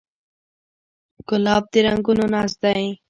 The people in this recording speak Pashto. ګلاب د رنګونو ناز دی.